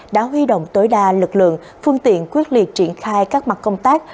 đã huy động tối đa lực lượng phương tiện quyết liệt triển khai các mặt công tác